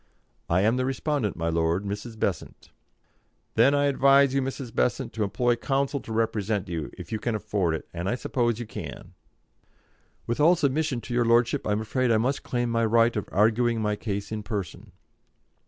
"I am the respondent, my lord, Mrs. Besant." "Then I advise you, Mrs. Besant, to employ counsel to represent you, if you can afford it; and I suppose you can." "With all submission to your lordship, I am afraid I must claim my right of arguing my case in person."